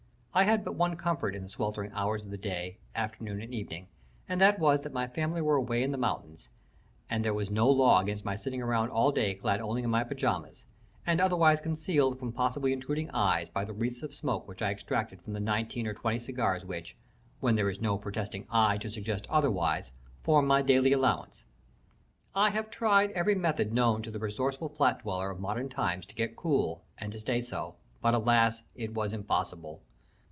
I had but one comfort in the sweltering hours of the day, afternoon and evening, and that was that my family were away in the mountains, and there was no law against my sitting around all day clad only in my pajamas, and otherwise concealed from possibly intruding eyes by the wreaths of smoke that I extracted from the nineteen or twenty cigars which, when there is no protesting eye to suggest otherwise, form my daily allowance. I had tried every method known to the resourceful flat dweller of modern times to get cool and to stay so, but alas, it was impossible.